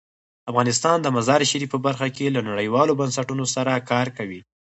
افغانستان د مزارشریف په برخه کې له نړیوالو بنسټونو سره کار کوي.